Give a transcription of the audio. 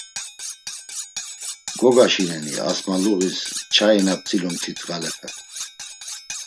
Gogaşineni Asmaluğis nçai na p̌tzilumt̆it ndğalepe.